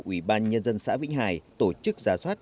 ủy ban nhân dân xã vĩnh hải tổ chức giả soát